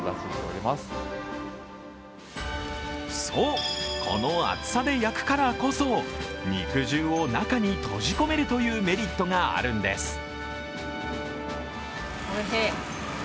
そう、この厚さで焼くからこそ肉汁を中に閉じ込めるというメリットがあるんです。